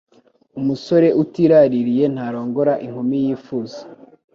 Umusore utiraririye ntarongora inkumi yifuza